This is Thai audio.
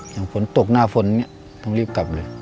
อย่างฝนตกหน้าฝนเนี่ยต้องรีบกลับเลย